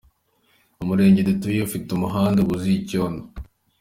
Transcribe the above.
Umurenge dutuye ufite umuhanda wauzuye icyondo.